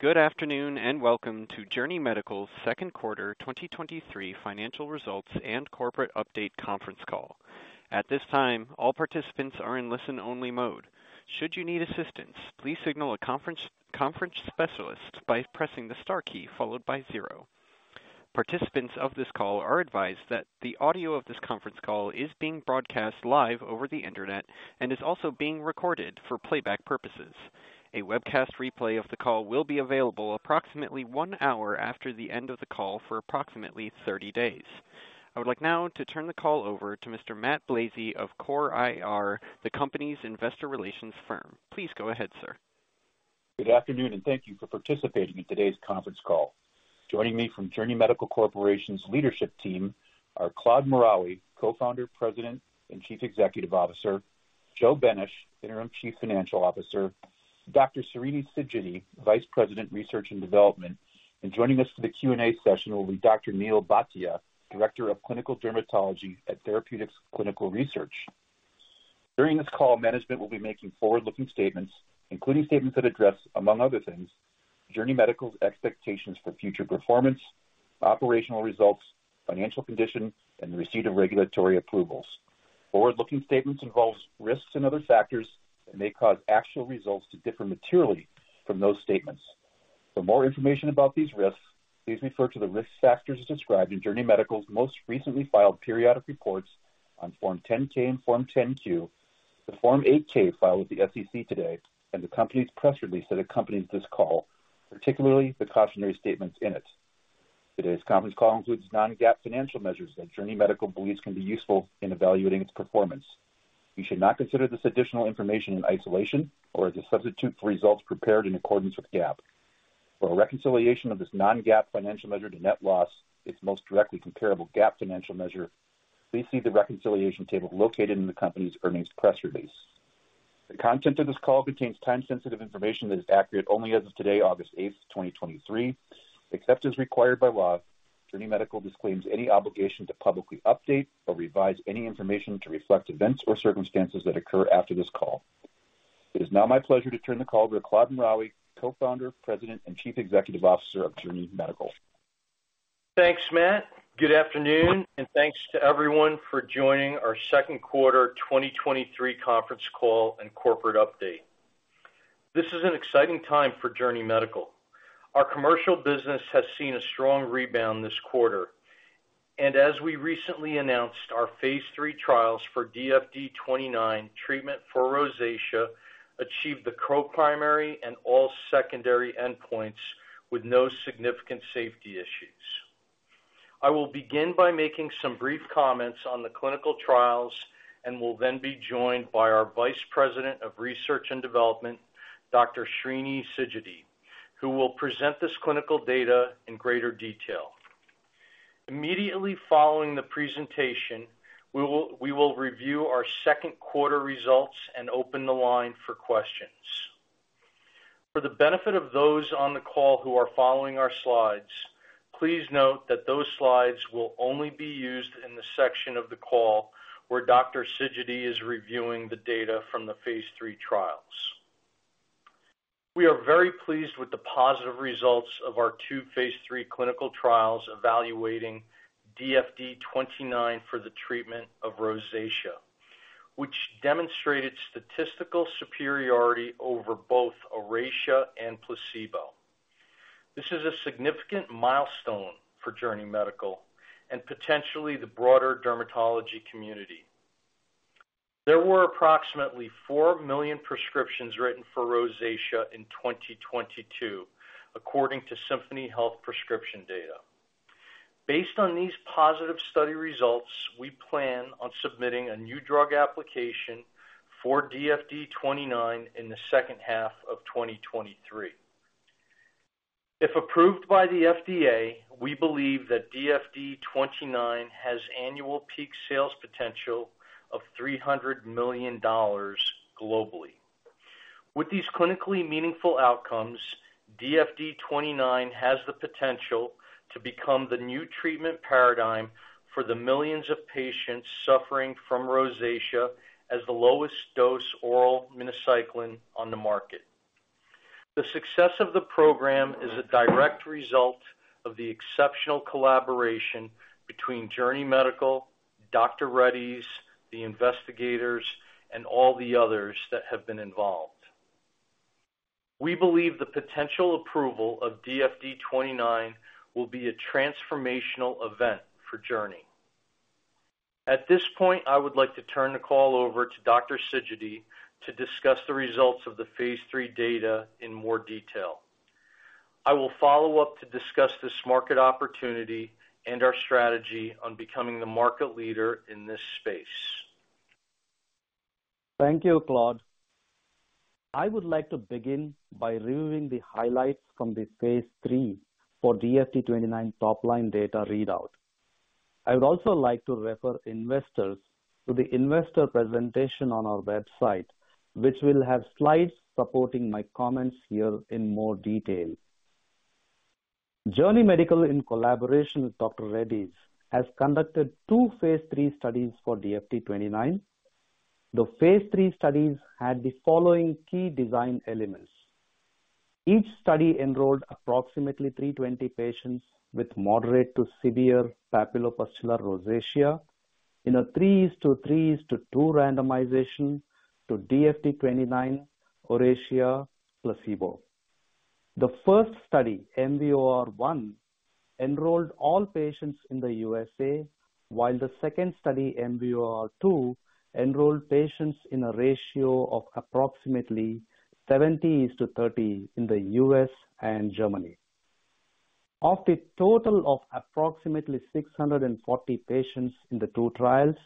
Good afternoon, welcome to Journey Medical's Q2 2023 financial results and corporate update conference call. At this time, all participants are in listen-only mode. Should you need assistance, please signal a conference specialist by pressing the star key followed by 0. Participants of this call are advised that the audio of this conference call is being broadcast live over the Internet and is also being recorded for playback purposes. A webcast replay of the call will be available approximately 1 hour after the end of the call for approximately 30 days. I would like now to turn the call over to Mr. Matt Blazei of CORE IR, the company's investor relations firm. Please go ahead, sir. Good afternoon. Thank you for participating in today's conference call. Joining me from Journey Medical Corporation's leadership team are Claude Maraoui, Co-Founder, President, and Chief Executive Officer, Joseph Benesch, Interim Chief Financial Officer, Dr. Srinivas Sidgiddi, Vice President, Research and Development. Joining us for the Q&A session will be Dr. Neal Bhatia, Director of Clinical Dermatology at Therapeutics Clinical Research. During this call, management will be making forward-looking statements, including statements that address, among other things, Journey Medical's expectations for future performance, operational results, financial condition, and the receipt of regulatory approvals. Forward-looking statements involves risks and other factors that may cause actual results to differ materially from those statements. For more information about these risks, please refer to the risk factors described in Journey Medical's most recently filed periodic reports on Form 10-K and Form 10-Q, the Form 8-K filed with the SEC today, and the company's press release that accompanies this call, particularly the cautionary statements in it. Today's conference call includes non-GAAP financial measures that Journey Medical believes can be useful in evaluating its performance. You should not consider this additional information in isolation or as a substitute for results prepared in accordance with GAAP. For a reconciliation of this non-GAAP financial measure to net loss, its most directly comparable GAAP financial measure, please see the reconciliation table located in the company's earnings press release. The content of this call contains time-sensitive information that is accurate only as of today, August 8th, 2023. Except as required by law, Journey Medical disclaims any obligation to publicly update or revise any information to reflect events or circumstances that occur after this call. It is now my pleasure to turn the call over to Claude Maraoui, Co-founder, President, and Chief Executive Officer of Journey Medical. Thanks, Matt. Good afternoon, thanks to everyone for joining our Q2 2023 conference call and corporate update. This is an exciting time for Journey Medical. Our commercial business has seen a strong rebound this quarter, as we recently announced, our phase III trials for DFD-29, treatment for rosacea, achieved the co-primary and all secondary endpoints with no significant safety issues. I will begin by making some brief comments on the clinical trials and will then be joined by our Vice President of Research and Development, Dr. Srinivas Sidgiddi, who will present this clinical data in greater detail. Immediately following the presentation, we will review our Q2 results and open the line for questions. For the benefit of those on the call who are following our slides, please note that those slides will only be used in the section of the call where Dr. Sidgiddi is reviewing the data from the Phase III trials. We are very pleased with the positive results of our two Phase III clinical trials evaluating DFD-29 for the treatment of rosacea, which demonstrated statistical superiority over both Oracea and placebo. This is a significant milestone for Journey Medical and potentially the broader dermatology community. There were approximately 4 million prescriptions written for rosacea in 2022, according to Symphony Health Prescription data. Based on these positive study results, we plan on submitting a new drug application for DFD-29 in the second half of 2023. If approved by the FDA, we believe that DFD-29 has annual peak sales potential of $300 million globally. With these clinically meaningful outcomes, DFD-29 has the potential to become the new treatment paradigm for the millions of patients suffering from rosacea, as the lowest dose oral minocycline on the market. The success of the program is a direct result of the exceptional collaboration between Journey Medical, Dr. Reddy's, the investigators, and all the others that have been involved. We believe the potential approval of DFD-29 will be a transformational event for Journey. At this point, I would like to turn the call over to Dr. Sidgiddi to discuss the results of the phase III data in more detail. I will follow up to discuss this market opportunity and our strategy on becoming the market leader in this space. Thank you, Claude. I would like to begin by reviewing the highlights from the phase III for DFD-29 top-line data readout. I would also like to refer investors to the investor presentation on our website, which will have slides supporting my comments here in more detail. Journey Medical, in collaboration with Dr. Reddy's, has conducted two phase III studies for DFD-29. The phase III studies had the following key design elements: Each study enrolled approximately 320 patients with moderate to severe papulopustular rosacea in a three is to three is to two randomization to DFD-29, Oracea, placebo. The first study, MVOR 1, enrolled all patients in the USA, while the second study, MVOR 2, enrolled patients in a ratio of approximately 70 is to 30 in the U.S. and Germany. Of the total of approximately 640 patients in the two trials,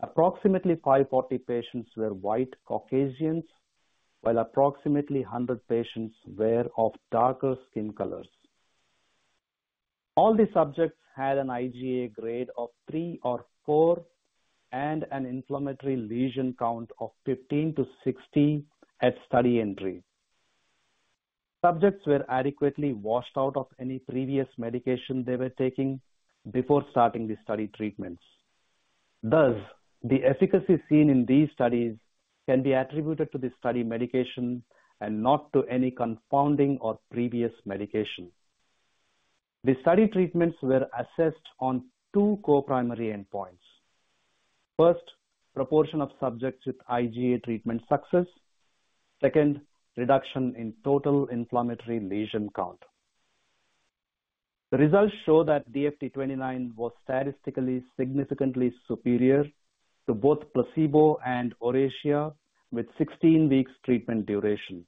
approximately 540 patients were white Caucasians, while approximately 100 patients were of darker skin colors. All the subjects had an IGA grade of three or four and an inflammatory lesion count of 15-16 at study entry. Subjects were adequately washed out of any previous medication they were taking before starting the study treatments. Thus, the efficacy seen in these studies can be attributed to the study medication and not to any confounding or previous medication. The study treatments were assessed on 2 co-primary endpoints. First, proportion of subjects with IGA treatment success. Second, reduction in total inflammatory lesion count. The results show that DFD-29 was statistically significantly superior to both placebo and Oracea with 16 weeks treatment duration.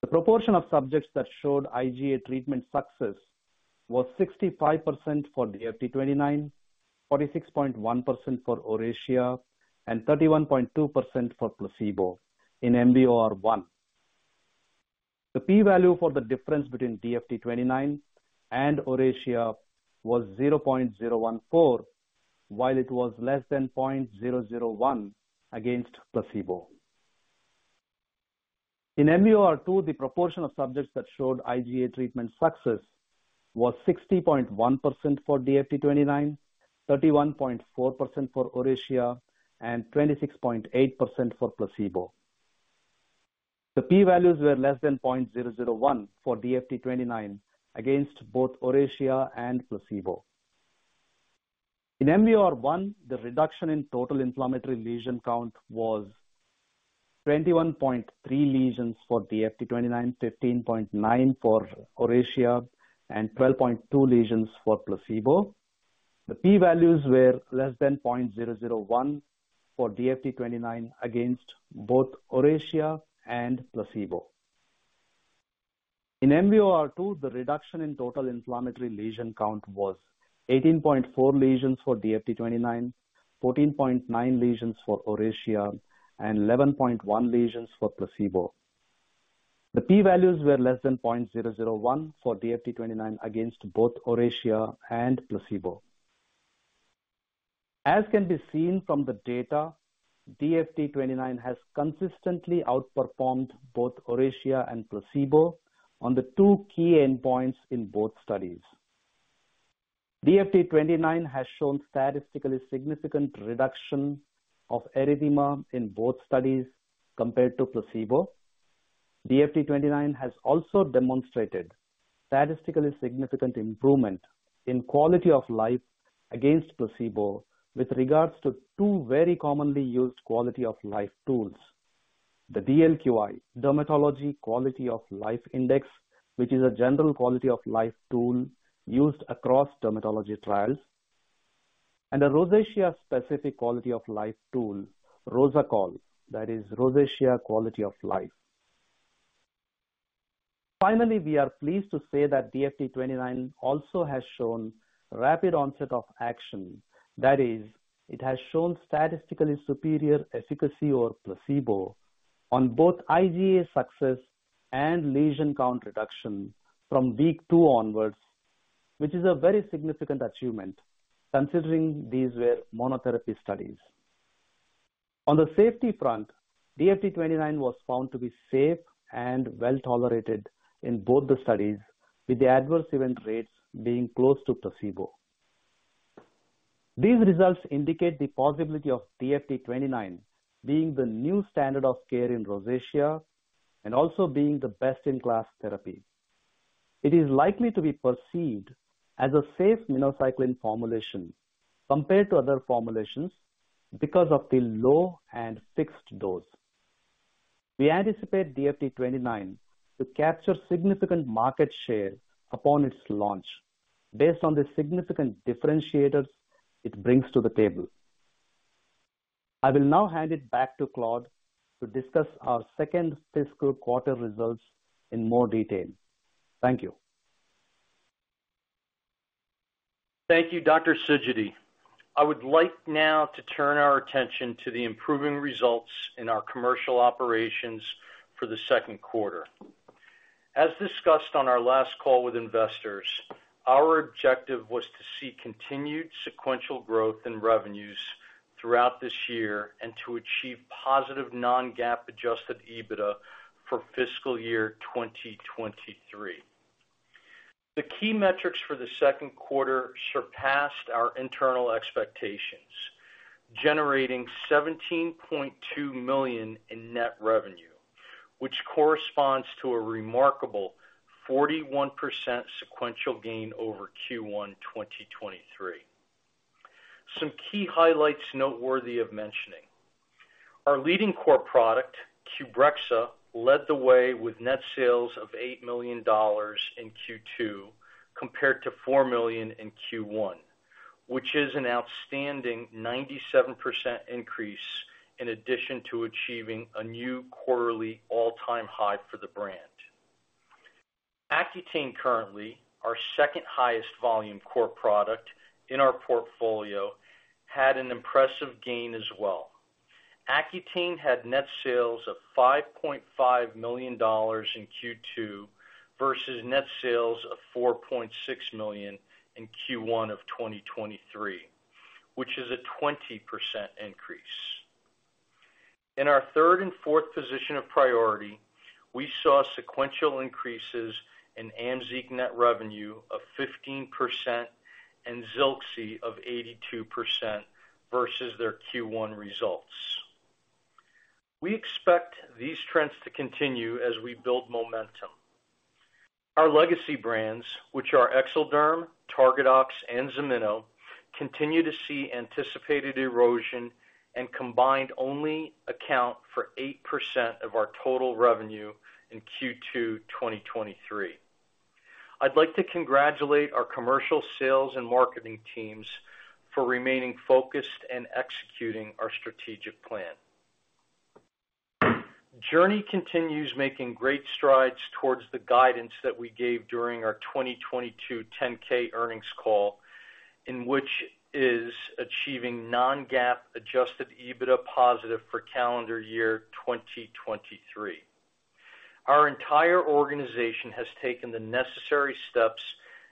The proportion of subjects that showed IGA treatment success was 65% for DFD-29, 46.1% for Oracea, and 31.2% for placebo in MVOR One. The P value for the difference between DFD-29 and Oracea was 0.014, while it was less than 0.001 against placebo. In MVOR Two, the proportion of subjects that showed IGA treatment success was 60.1% for DFD-29, 31.4% for Oracea, and 26.8% for placebo. The P values were less than 0.001 for DFD-29 against both Oracea and placebo. In MVOR One, the reduction in total inflammatory lesion count was 21.3 lesions for DFD-29, 15.9 for Oracea, and 12.2 lesions for placebo. The P values were less than 0.001 for DFD-29 against both Oracea and placebo. In MVOR-2, the reduction in total inflammatory lesion count was 18.4 lesions for DFD-29, 14.9 lesions for Oracea, and 11.1 lesions for placebo. The P values were less than 0.001 for DFD-29 against both Oracea and placebo. As can be seen from the data, DFD-29 has consistently outperformed both Oracea and placebo on the two key endpoints in both studies. DFD-29 has shown statistically significant reduction of erythema in both studies compared to placebo. DFD-29 has also demonstrated statistically significant improvement in quality of life against placebo, with regards to two very commonly used quality of life tools. The DLQI, Dermatology Quality of Life Index, which is a general quality of life tool used across dermatology trials, and a rosacea-specific quality of life tool, RosaQoL, that is rosacea quality of life. Finally, we are pleased to say that DFD-29 also has shown rapid onset of action. That is, it has shown statistically superior efficacy over placebo on both IGA success and lesion count reduction from week two onwards, which is a very significant achievement considering these were monotherapy studies. On the safety front, DFD-29 was found to be safe and well-tolerated in both the studies, with the adverse event rates being close to placebo. These results indicate the possibility of DFD-29 being the new standard of care in rosacea and also being the best-in-class therapy. It is likely to be perceived as a safe minocycline formulation compared to other formulations because of the low and fixed dose. We anticipate DFD-29 to capture significant market share upon its launch, based on the significant differentiators it brings to the table. I will now hand it back to Claude to discuss our second fiscal quarter results in more detail. Thank you. Thank you, Dr. Sidgiddi. I would like now to turn our attention to the improving results in our commercial operations for the Q2. As discussed on our last call with investors, our objective was to see continued sequential growth in revenues, throughout this year and to achieve positive non-GAAP adjusted EBITDA for fiscal year 2023. The key metrics for the Q2 surpassed our internal expectations, generating $17.2 million in net revenue, which corresponds to a remarkable 41% sequential gain over Q1, 2023. Some key highlights noteworthy of mentioning: Our leading core product, QBREXZA, led the way with net sales of $8 million in Q2, compared to $4 million in Q1, which is an outstanding 97% increase, in addition to achieving a new quarterly all-time high for the brand. Accutane, currently our second highest volume core product in our portfolio, had an impressive gain as well. Accutane had net sales of $5.5 million in Q2, versus net sales of $4.6 million in Q1 of 2023, which is a 20% increase. In our third and fourth position of priority, we saw sequential increases in AMZEEQ net revenue of 15% and ZILXI of 82% versus their Q1 results. We expect these trends to continue as we build momentum. Our legacy brands, which are Exelderm, Targadox, and XIMINO, continue to see anticipated erosion and combined only account for 8% of our total revenue in Q2, 2023. I'd like to congratulate our commercial sales and marketing teams for remaining focused and executing our strategic plan. Journey continues making great strides towards the guidance that we gave during our 2022 Form 10-K earnings call, in which is achieving non-GAAP adjusted EBITDA positive for calendar year 2023. Our entire organization has taken the necessary steps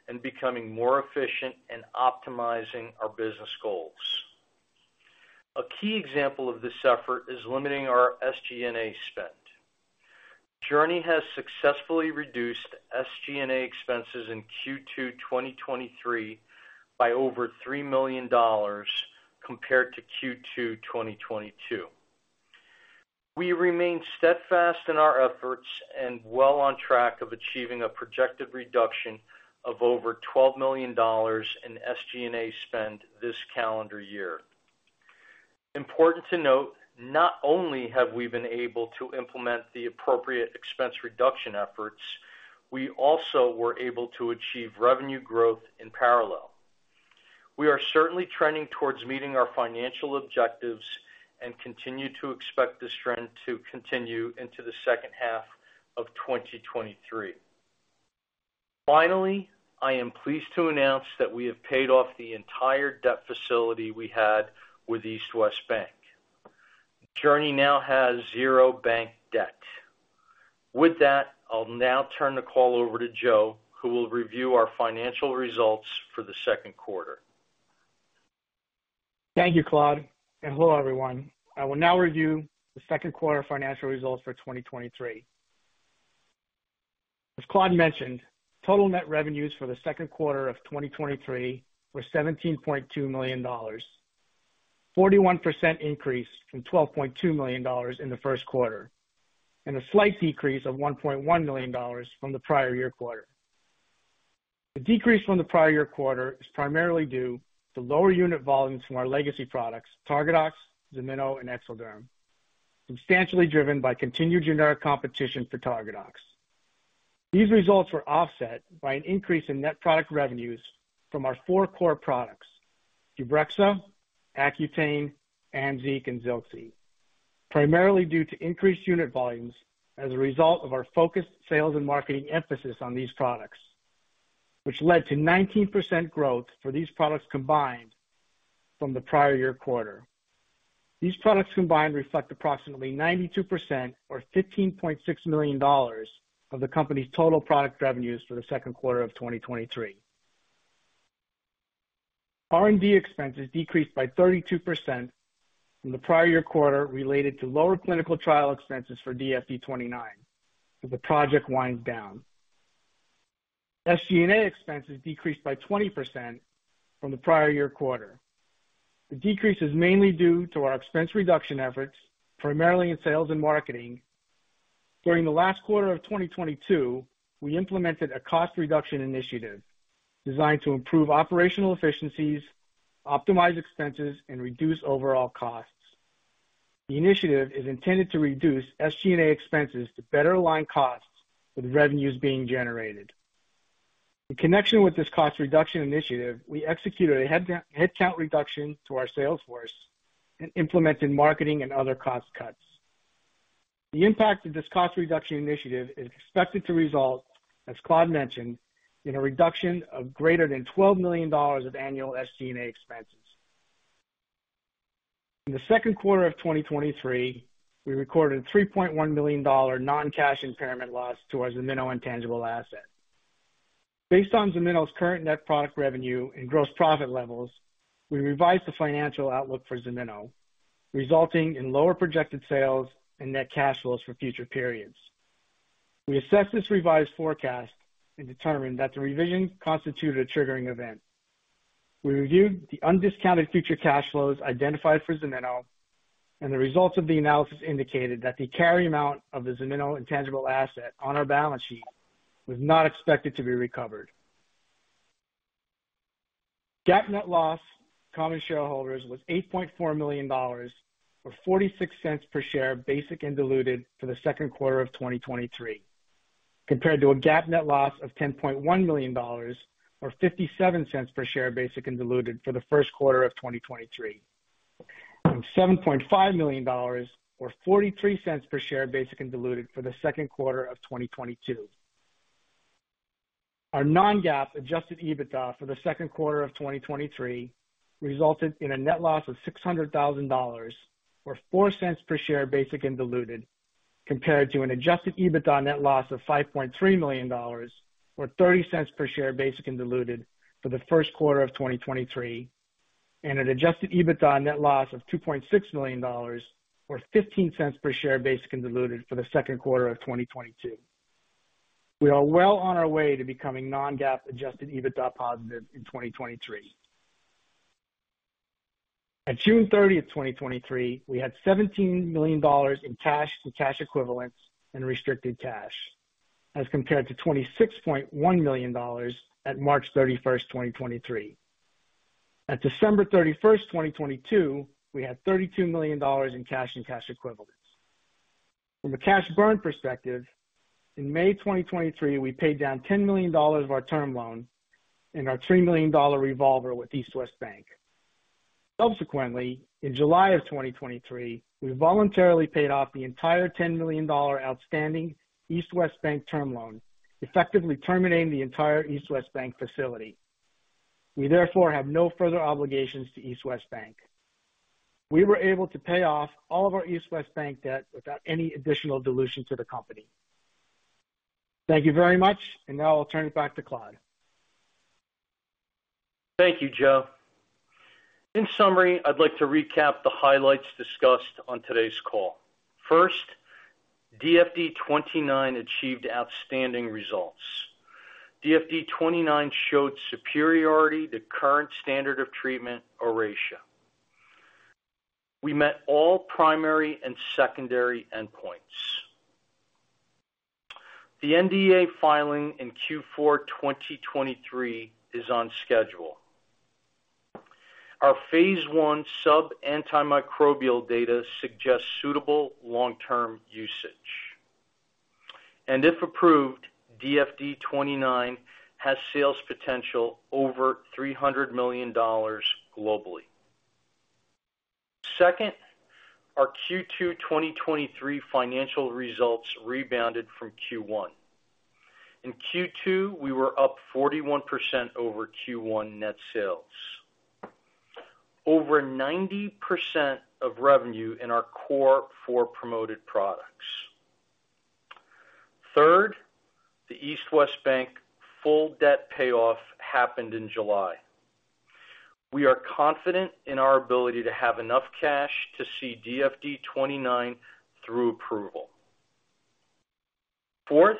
in becoming more efficient in optimizing our business goals. A key example of this effort is limiting our SG&A spend. Journey has successfully reduced SG&A expenses in Q2 2023 by over $3 million compared to Q2 2022. We remain steadfast in our efforts and well on track of achieving a projected reduction of over $12 million in SG&A spend this calendar year. Important to note, not only have we been able to implement the appropriate expense reduction efforts, we also were able to achieve revenue growth in parallel. We are certainly trending towards meeting our financial objectives and continue to expect this trend to continue into the second half of 2023. Finally, I am pleased to announce that we have paid off the entire debt facility we had with East West Bank. Journey now has zero bank debt. With that, I'll now turn the call over to Joe, who will review our financial results for the Q2. Thank you, Claude. Hello, everyone. I will now review the Q2 financial results for 2023. As Claude mentioned, total net revenues for the Q2 of 2023 were $17.2 million, a 41% increase from $12.2 million in the Q1, and a slight decrease of $1.1 million from the prior year quarter. The decrease from the prior year quarter is primarily due to lower unit volumes from our legacy products, Targadox, XIMINO, and Exelderm, substantially driven by continued generic competition for Targadox. These results were offset by an increase in net product revenues from our four core products, QBREXZA, Accutane, AMZEEQ, and ZILXI, primarily due to increased unit volumes as a result of our focused sales and marketing emphasis on these products, which led to 19% growth for these products combined from the prior year quarter. These products combined reflect approximately 92% or $15.6 million of the company's total product revenues for the Q2 of 2023. R&D expenses decreased by 32% from the prior year quarter, related to lower clinical trial expenses for DFD-29 as the project winds down. SG&A expenses decreased by 20% from the prior year quarter. The decrease is mainly due to our expense reduction efforts, primarily in sales and marketing. During the last quarter of 2022, we implemented a cost reduction initiative designed to improve operational efficiencies, optimize expenses, and reduce overall costs. The initiative is intended to reduce SG&A expenses to better align costs with the revenues being generated. In connection with this cost reduction initiative, we executed a head, headcount reduction to our sales force and implemented marketing and other cost cuts. The impact of this cost reduction initiative is expected to result, as Claude mentioned, in a reduction of greater than $12 million of annual SG&A expenses. In the Q2 of 2023, we recorded a $3.1 million non-cash impairment loss to our XIMINO intangible asset. Based on XIMINO's current net product revenue and gross profit levels, we revised the financial outlook for XIMINO, resulting in lower projected sales and net cash flows for future periods. We assessed this revised forecast and determined that the revision constituted a triggering event. We reviewed the undiscounted future cash flows identified for XIMINO, and the results of the analysis indicated that the carry amount of the XIMINO intangible asset on our balance sheet was not expected to be recovered. GAAP net loss, common shareholders, was $8.4 million, or $0.46 per share, basic and diluted for the Q2 of 2023, compared to a GAAP net loss of $10.1 million, or $0.57 per share, basic and diluted for the Q1 of 2023, and $7.5 million, or $0.43 per share, basic and diluted for the Q2 of 2022. Our non-GAAP adjusted EBITDA for the Q2 of 2023 resulted in a net loss of $600,000, or $0.04 per share, basic and diluted, compared to an adjusted EBITDA net loss of $5.3 million, or $0.30 per share, basic and diluted for the Q1 of 2023, and an adjusted EBITDA net loss of $2.6 million, or $0.15 per share, basic and diluted for the Q2 of 2022. We are well on our way to becoming non-GAAP adjusted EBITDA positive in 2023. At June 30th, 2023, we had $17 million in cash and cash equivalents and restricted cash, as compared to $26.1 million at March 31st, 2023. At December 31st, 2022, we had $32 million in cash and cash equivalents. From a cash burn perspective, in May 2023, we paid down $10 million of our term loan and our $3 million revolver with East West Bank. Subsequently, in July 2023, we voluntarily paid off the entire $10 million outstanding East West Bank term loan, effectively terminating the entire East West Bank facility. We therefore have no further obligations to East West Bank. We were able to pay off all of our East West Bank debt without any additional dilution to the company. Thank you very much. Now I'll turn it back to Claude. Thank you, Joe. In summary, I'd like to recap the highlights discussed on today's call. First, DFD-29 achieved outstanding results. DFD-29 showed superiority to current standard of treatment, Oracea. We met all primary and secondary endpoints. The NDA filing in Q4 2023 is on schedule. Our phase I subantimicrobial data suggests suitable long-term usage. If approved, DFD-29 has sales potential over $300 million globally. Second, our Q2 2023 financial results rebounded from Q1. In Q2, we were up 41% over Q1 net sales. Over 90% of revenue in our core four promoted products. Third, the East West Bank full debt payoff happened in July. We are confident in our ability to have enough cash to see DFD-29 through approval. Fourth,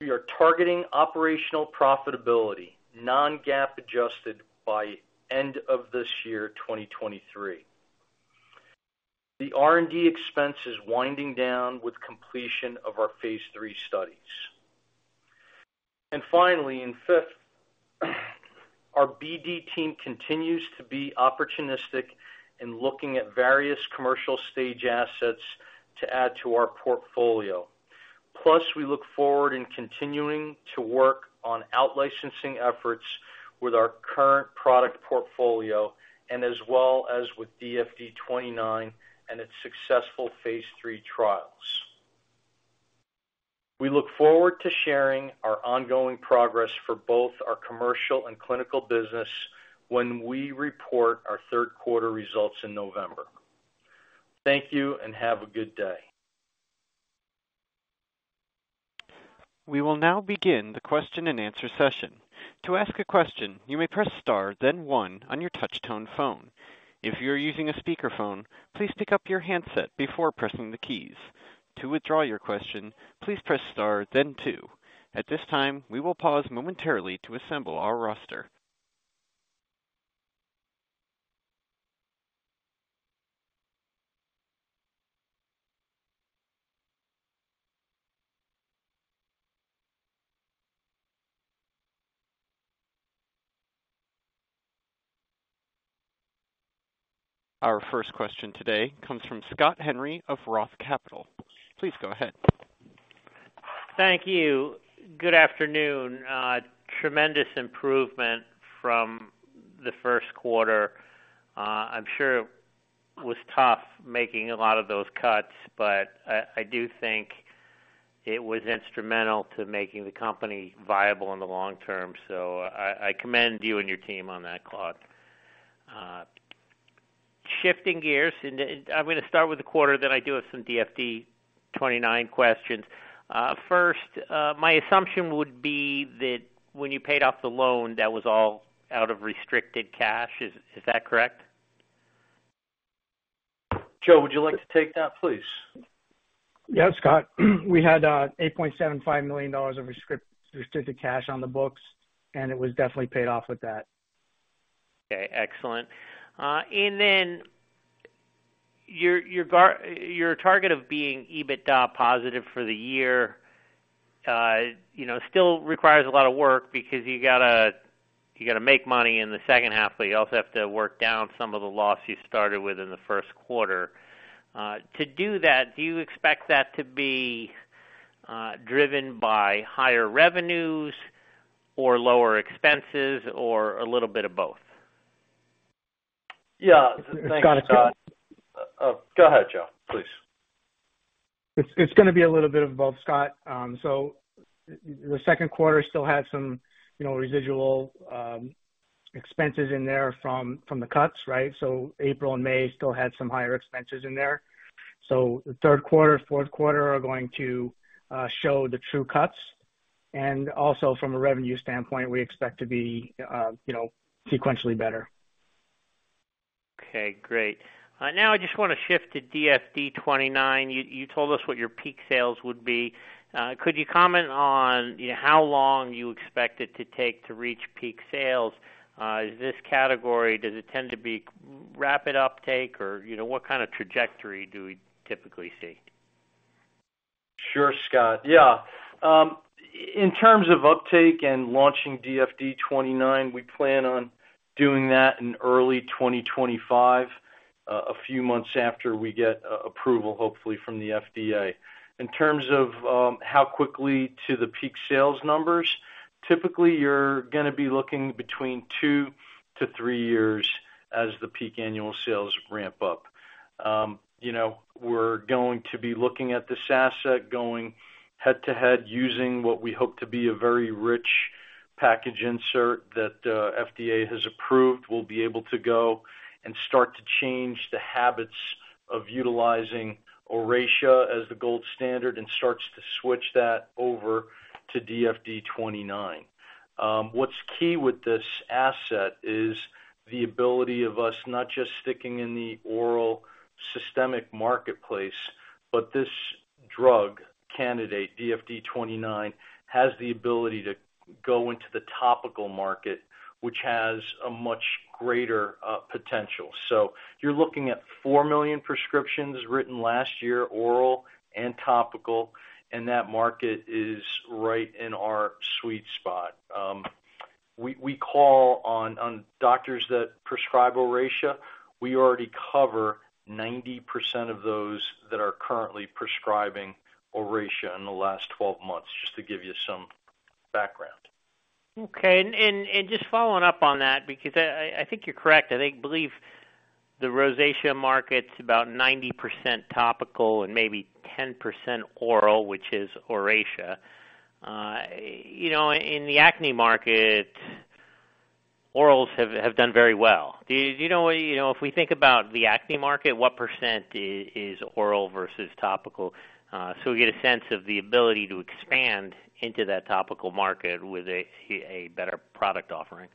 we are targeting operational profitability, non-GAAP adjusted by end of this year, 2023. The R&D expense is winding down with completion of our phase III studies. Finally, in fifth, our BD team continues to be opportunistic in looking at various commercial stage assets to add to our portfolio. We look forward in continuing to work on out-licensing efforts with our current product portfolio and as well as with DFD-29 and its successful phase III trials. We look forward to sharing our ongoing progress for both our commercial and clinical business when we report our Q3 results in November. Thank you. Have a good day. We will now begin the question-and-answer session. To ask a question, you may press Star, then one on your touch tone phone. If you're using a speakerphone, please pick up your handset before pressing the keys. To withdraw your question, please press Star, then two. At this time, we will pause momentarily to assemble our roster. Our first question today comes from Scott Henry of Roth Capital. Please go ahead. Thank you. Good afternoon. Tremendous improvement from the Q1. I'm sure it was tough making a lot of those cuts, but I, I do think it was instrumental to making the company viable in the long term. I, I commend you and your team on that, Claude. Shifting gears, and, and I'm gonna start with the quarter, then I do have some DFD-29 questions. First, my assumption would be that when you paid off the loan, that was all out of restricted cash. Is, is that correct? Joe, would you like to take that, please? Yeah, Scott, we had $8.75 million of restricted cash on the books, and it was definitely paid off with that. Okay, excellent. Then your, your target of being EBITDA positive for the year, you know, still requires a lot of work because you gotta, you gotta make money in the second half, you also have to work down some of the losses you started with in the Q1. To do that, do you expect that to be driven by higher revenues or lower expenses, or a little bit of both? Yeah. Thanks, Scott. Go ahead, Joe, please. It's, it's gonna be a little bit of both, Scott. The Q2 still had some, you know, residual expenses in there from, from the cuts, right? April and May still had some higher expenses in there. The Q3, Q4 are going to show the true cuts. Also from a revenue standpoint, we expect to be, you know, sequentially better. Okay, great. Now I just wanna shift to DFD-29. You, you told us what your peak sales would be. Could you comment on, you know, how long you expect it to take to reach peak sales? This category, does it tend to be rapid uptake, or, you know, what kind of trajectory do we typically see? Sure, Scott. Yeah. In terms of uptake and launching DFD-29, we plan on doing that in early 2025, a few months after we get approval, hopefully from the FDA. In terms of how quickly to the peak sales numbers, typically, you're gonna be looking between two to three years as the peak annual sales ramp up. You know, we're going to be looking at this asset going head-to-head, using what we hope to be a very rich package insert that FDA has approved. We'll be able to go and start to change the habits of utilizing Oracea as the gold standard and starts to switch that over to DFD-29. What's key with this asset is the ability of us not just sticking in the oral systemic marketplace, but this drug candidate, DFD-29, has the ability to go into the topical market, which has a much greater potential. You're looking at $4 million prescriptions written last year, oral and topical, and that market is right in our sweet spot. We, we call on, on doctors that prescribe Oracea. We already cover 90% of those that are currently prescribing Oracea in the last 12 months, just to give you some background. Okay. Just following up on that, because I, I think you're correct. I think, believe the rosacea market's about 90% topical and maybe 10% oral, which is Oracea. You know, in the acne market, orals have, have done very well. Do you know, you know, if we think about the acne market, what % is oral versus topical? So we get a sense of the ability to expand into that topical market with a, a better product offering.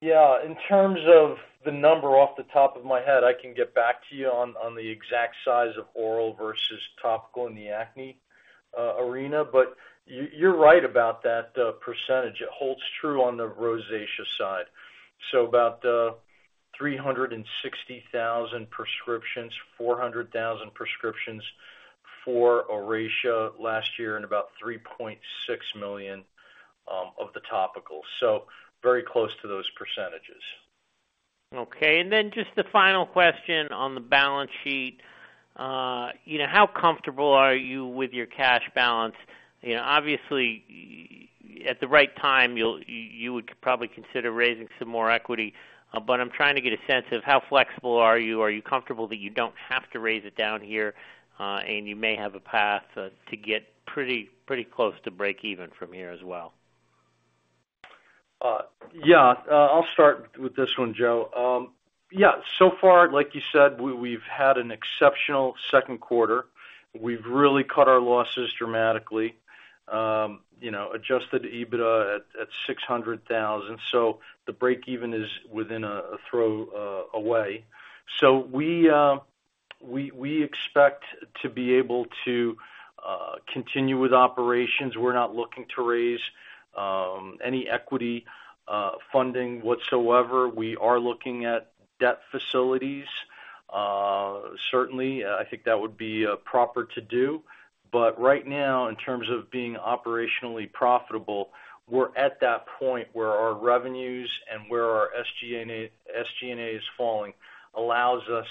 Yeah, in terms of the number, off the top of my head, I can get back to you on, on the exact size of oral versus topical in the acne arena. You, you're right about that percentage. It holds true on the rosacea side. About 360,000 prescriptions, 400,000 prescriptions for Oracea last year, and about 3.6 million of the topical. Very close to those percentages. Okay. Just the final question on the balance sheet. you know, how comfortable are you with your cash balance? You know, obviously, at the right time, you'll you would probably consider raising some more equity. I'm trying to get a sense of how flexible are you? Are you comfortable that you don't have to raise it down here? You may have a path, to get pretty, pretty close to breakeven from here as well? Yeah, I'll start with this one, Joe. Yeah, so far, like you said, we've had an exceptional Q2. We've really cut our losses dramatically. You know, adjusted EBITDA at $600,000, so the breakeven is within a throw away. So we, we expect to be able to continue with operations. We're not looking to raise any equity funding whatsoever. We are looking at debt facilities. Certainly, I think that would be proper to do. But right now, in terms of being operationally profitable, we're at that point where our revenues and where our SG&A—SG&A is falling, allows us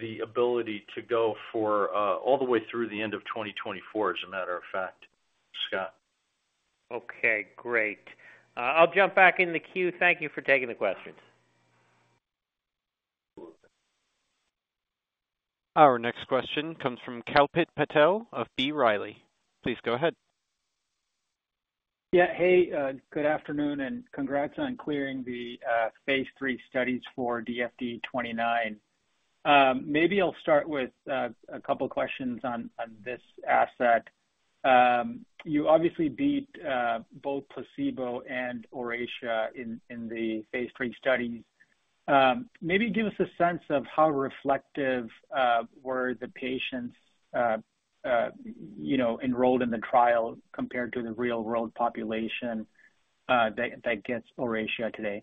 the ability to go for all the way through the end of 2024, as a matter of fact, Scott. Okay, great. I'll jump back in the queue. Thank you for taking the questions. Our next question comes from Kalpit Patel of B. Riley. Please go ahead. Yeah. Hey, good afternoon, and congrats on clearing the phase III studies for DFD-29. Maybe I'll start with a couple questions on this asset. You obviously beat both placebo and Oracea in the phase III study. Maybe give us a sense of how reflective were the patients, you know, enrolled in the trial compared to the real-world population that gets Oracea today?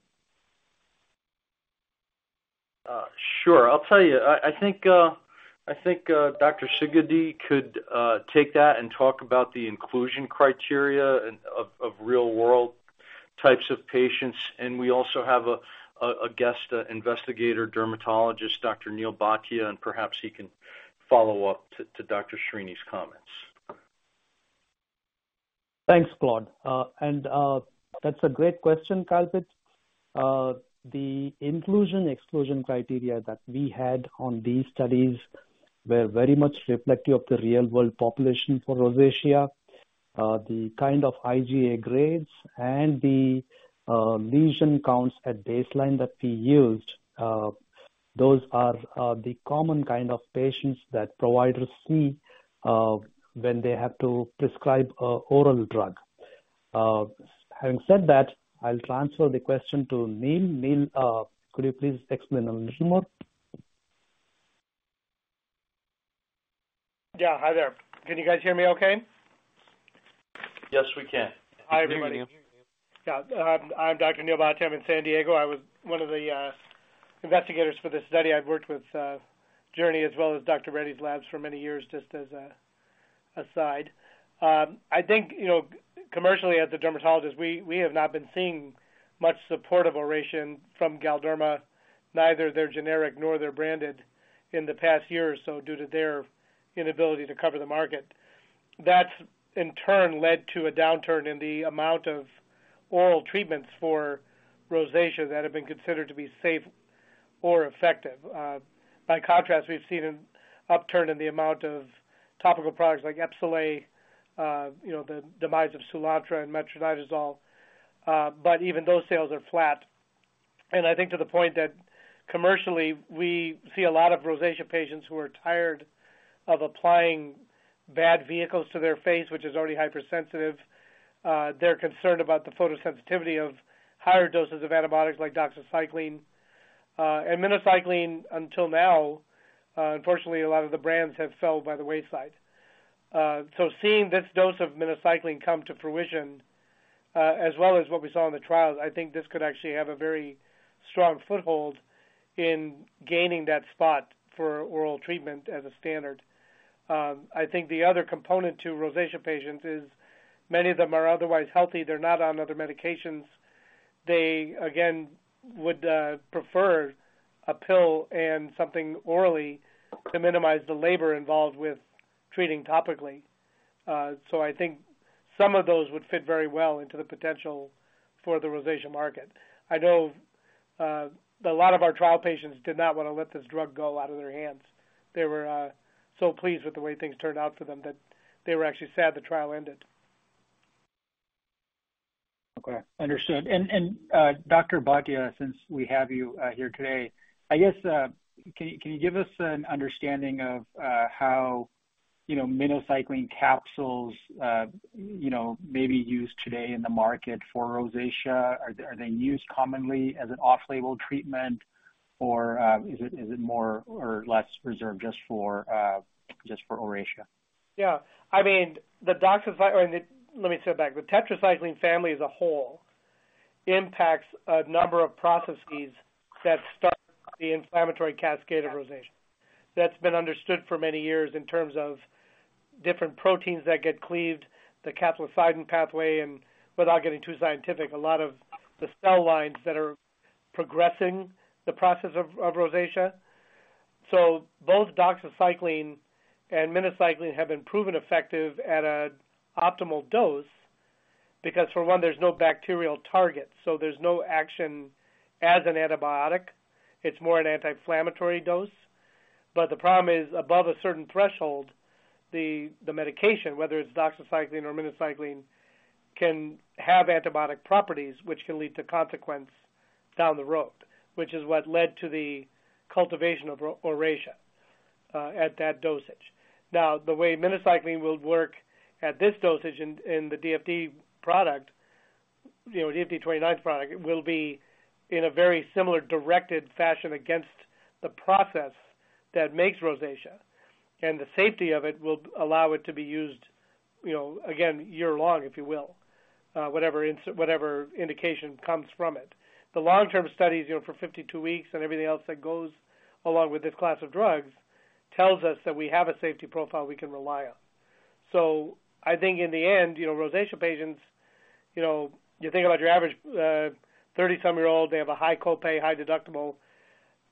Sure. I'll tell you, I, I think, I think, Dr. Sidgiddi could take that and talk about the inclusion criteria and of real-world types of patients. We also have a guest investigator, dermatologist, Dr. Neal Bhatia, and perhaps he can follow up to Dr. Srini's comments. Thanks, Claude. That's a great question, Kalpit. The inclusion/exclusion criteria that we had on these studies were very much reflective of the real-world population for rosacea. The kind of IGA grades and the lesion counts at baseline that we used, those are the common kind of patients that providers see when they have to prescribe a oral drug. Having said that, I'll transfer the question to Neal. Neal, could you please explain a little more? Yeah. Hi there. Can you guys hear me okay? Yes, we can. Hi, everybody. We can hear you. Yeah. I'm, I'm Dr. Neal Bhatia. I'm in San Diego. I was one of the investigators for this study. I've worked with Journey as well as Dr. Reddy's labs for many years, just as a, aside. I think, you know, commercially, as a dermatologist, we, we have not been seeing much support of Oracea from Galderma, neither their generic nor their branded, in the past year or so due to their inability to cover the market. That's, in turn, led to a downturn in the amount of oral treatments for rosacea that have been considered to be safe or effective. By contrast, we've seen an upturn in the amount of topical products like EPSOLAY, you know, the demise of Soolantra and Metronidazole. Even those sales are flat. I think to the point that commercially, we see a lot of rosacea patients who are tired of applying bad vehicles to their face, which is already hypersensitive. They're concerned about the photosensitivity of higher doses of antibiotics like doxycycline and minocycline until now, unfortunately, a lot of the brands have fell by the wayside. So seeing this dose of minocycline come to fruition, as well as what we saw in the trials, I think this could actually have a very strong foothold in gaining that spot for oral treatment as a standard. I think the other component to rosacea patients is many of them are otherwise healthy. They're not on other medications. They, again, would prefer a pill and something orally to minimize the labor involved with treating topically. I think some of those would fit very well into the potential for the rosacea market. I know, a lot of our trial patients did not want to let this drug go out of their hands. They were, so pleased with the way things turned out for them, that they were actually sad the trial ended. Okay, understood. And Dr. Bhatia, since we have you here today, I guess, can, can you give us an understanding of how, you know, minocycline capsules, you know, may be used today in the market for rosacea? Are they, are they used commonly as an off-label treatment, or, is it, is it more or less reserved just for, just for Oracea? Yeah, I mean, the doxycycline. Let me step back. The tetracycline family as a whole impacts a number of processes that start the inflammatory cascade of rosacea. That's been understood for many years in terms of different proteins that get cleaved, the cathelicidin pathway, and without getting too scientific, a lot of the cell lines that are progressing the process of rosacea. Both doxycycline and minocycline have been proven effective at an optimal dose, because, for one, there's no bacterial target, so there's no action as an antibiotic. It's more an anti-inflammatory dose. The problem is, above a certain threshold, the medication, whether it's doxycycline or minocycline, can have antibiotic properties, which can lead to consequence down the road, which is what led to the cultivation of Oracea at that dosage. The way minocycline will work at this dosage in, in the DFD product, you know, the DFD-29 product, it will be in a very similar directed fashion against the process that makes rosacea, and the safety of it will allow it to be used, you know, again, year-long, if you will, whatever indication comes from it. The long-term studies, you know, for 52 weeks and everything else that goes along with this class of drugs, tells us that we have a safety profile we can rely on. I think in the end, you know, rosacea patients, you know, you think about your average 37-year-old, they have a high copay, high deductible.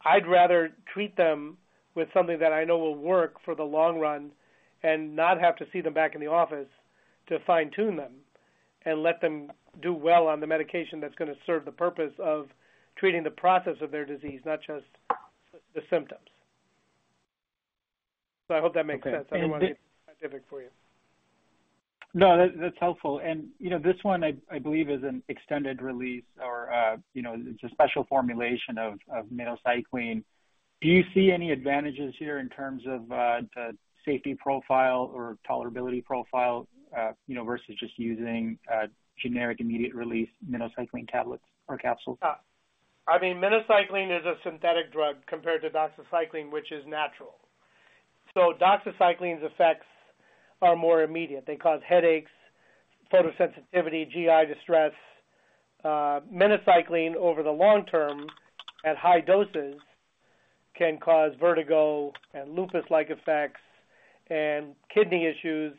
I'd rather treat them with something that I know will work for the long run and not have to see them back in the office to fine-tune them. Let them do well on the medication that's going to serve the purpose of treating the process of their disease, not just the symptoms. I hope that makes sense. Okay. I don't want to be specific for you. No, that, that's helpful. You know, this one I, I believe, is an extended release or, you know, it's a special formulation of, of minocycline. Do you see any advantages here in terms of the safety profile or tolerability profile, you know, versus just using generic, immediate release minocycline tablets or capsules? I mean, minocycline is a synthetic drug compared to doxycycline, which is natural. Doxycycline's effects are more immediate. They cause headaches, photosensitivity, GI distress. Minocycline, over the long term, at high doses, can cause vertigo and lupus-like effects and kidney issues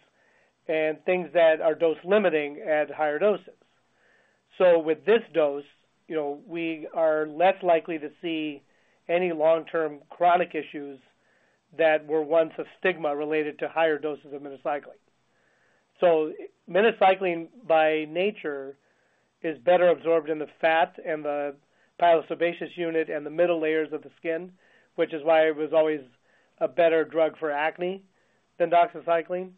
and things that are dose-limiting at higher doses. With this dose, you know, we are less likely to see any long-term chronic issues that were once a stigma related to higher doses of minocycline. Minocycline, by nature, is better absorbed in the fat and the pilosebaceous unit and the middle layers of the skin, which is why it was always a better drug for acne than doxycycline.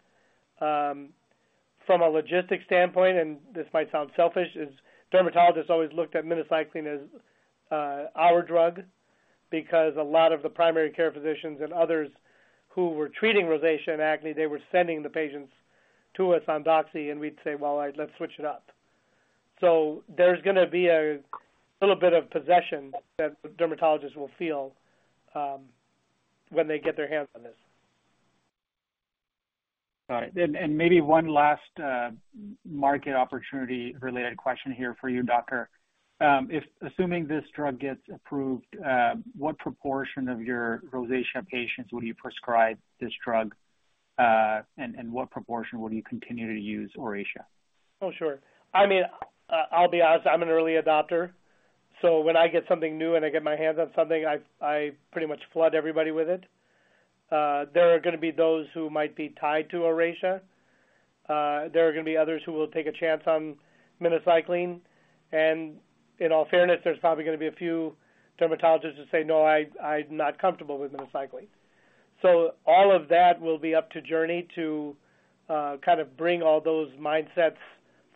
From a logistic standpoint, and this might sound selfish, is dermatologists always looked at minocycline as our drug, because a lot of the primary care physicians and others who were treating rosacea and acne, they were sending the patients to us on doxy, and we'd say: "Well, let's switch it up." There's gonna be a little bit of possession that dermatologists will feel when they get their hands on this. All right. Maybe one last market opportunity-related question here for you, doctor. If assuming this drug gets approved, what proportion of your rosacea patients would you prescribe this drug, and what proportion would you continue to use Oracea? Oh, sure. I mean, I'll be honest, I'm an early adopter, so when I get something new and I get my hands on something, I, I pretty much flood everybody with it. There are gonna be those who might be tied to Oracea. There are gonna be others who will take a chance on minocycline. In all fairness, there's probably gonna be a few dermatologists that say, "No, I, I'm not comfortable with minocycline." All of that will be up to Journey to, kind of bring all those mindsets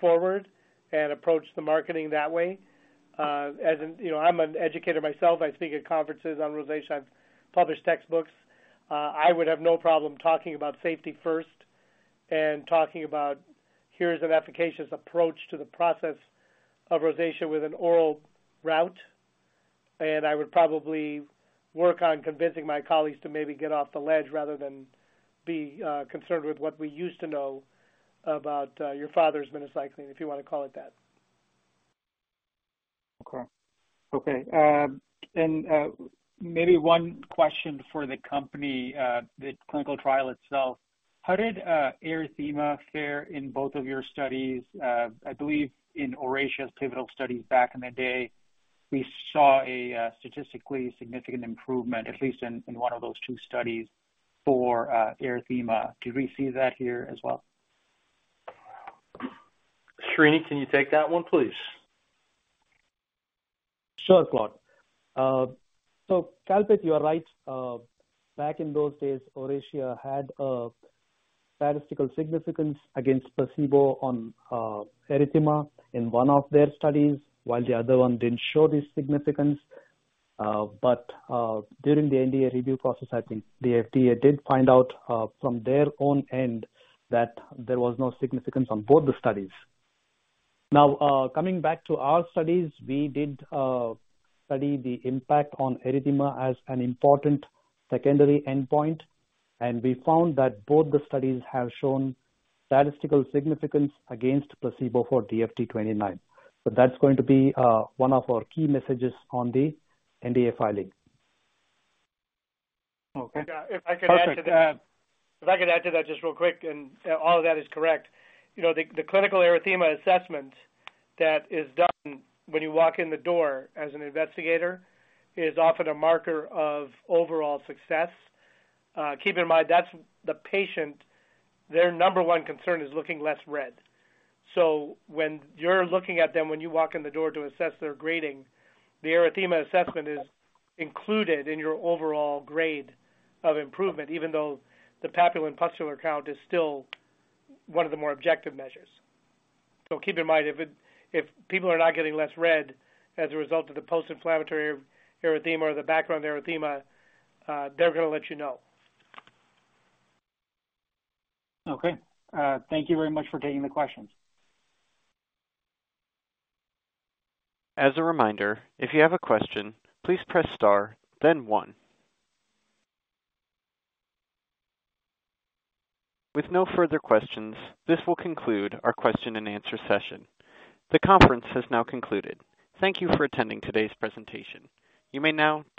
forward and approach the marketing that way. You know, I'm an educator myself. I speak at conferences on rosacea. I've published textbooks. I would have no problem talking about safety first and talking about, here's an efficacious approach to the process of rosacea with an oral route. I would probably work on convincing my colleagues to maybe get off the ledge rather than be concerned with what we used to know about your father's minocycline, if you want to call it that. Okay. Okay, maybe one question for the company, the clinical trial itself. How did erythema fare in both of your studies? I believe in Oracea's pivotal studies back in the day, we saw a statistically significant improvement, at least in one of those two studies for erythema. Did we see that here as well? Srini, can you take that one, please? Sure, Claude. Kalpit, you are right. Back in those days, Oracea had a statistical significance against placebo on erythema in one of their studies, while the other one didn't show this significance. During the NDA review process, I think the FDA did find out from their own end that there was no significance on both the studies. Now, coming back to our studies, we did study the impact on erythema as an important secondary endpoint, and we found that both the studies have shown statistical significance against placebo for DFD-29. That's going to be one of our key messages on the NDA filing. Okay. If I could add to that... Perfect. If I could add to that just real quick, all of that is correct. You know, the, the clinical erythema assessment that is done when you walk in the door as an investigator is often a marker of overall success. Keep in mind, that's the patient, their number one concern is looking less red. When you're looking at them, when you walk in the door to assess their grading, the erythema assessment is included in your overall grade of improvement, even though the papule and pustule count is still one of the more objective measures. Keep in mind, if people are not getting less red as a result of the post-inflammatory erythema or the background erythema, they're gonna let you know. Okay. Thank you very much for taking the questions. As a reminder, if you have a question, please press star 1. With no further questions, this will conclude our question-and-answer session. The conference has now concluded. Thank you for attending today's presentation. You may now disconnect.